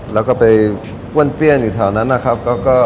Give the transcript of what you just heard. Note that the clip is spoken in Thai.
แล้วก็ไปป้วนเปี้ยนอยู่แถวนั้นนะครับ